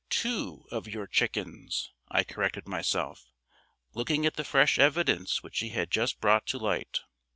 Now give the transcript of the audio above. "Two of your chickens," I corrected myself, looking at the fresh evidence which he had just brought to light.